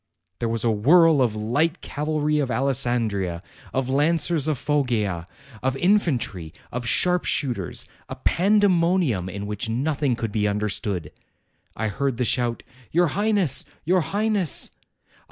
There was a whirl of light cavalry of Alessandria, of lancers of Foggia, of infantry, of sharp shooters, a pandemonium in which nothing could be understood. I heard the shout, 'Your Highness ! your Highness!'